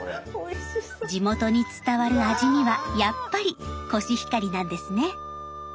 地元に伝わる味にはやっぱりコシヒカリなんですね。